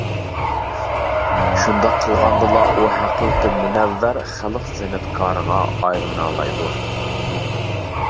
شۇنداق قىلغاندىلا ئۇ ھەقىقىي، مۇنەۋۋەر خەلق سەنئەتكارىغا ئايلىنالايدۇ.